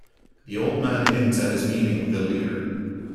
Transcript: The old man hints at his meaning with a leer.